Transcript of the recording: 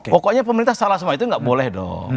pokoknya pemerintah salah sama itu nggak boleh dong